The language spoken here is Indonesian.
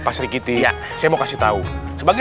pasri kitty saya mau kasih tahu sebagai